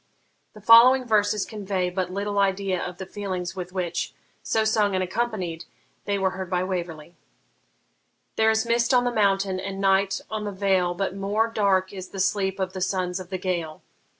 The following verses convey but little idea of the feelings with which, so sung and accompanied, they were heard by Waverley: There is mist on the mountain, and night on the vale, But more dark is the sleep of the sons of the Gael.